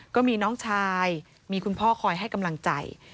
ก็มีน้องชายมีคุณพ่อคอยให้กำลังใจ